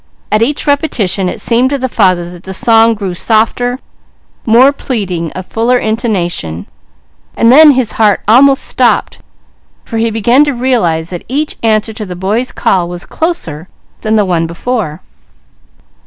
At each repetition it seemed to the father that the song grew softer, more pleading, of fuller intonation; and then his heart almost stopped, for he began to realize that each answer to the boy's call was closer than the one before.